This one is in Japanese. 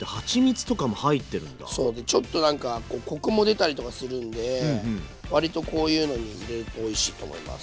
でちょっとなんかコクも出たりとかするんで割とこういうのに入れるとおいしいと思います。